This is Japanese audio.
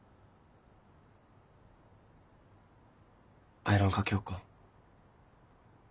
アイロンかけよっか？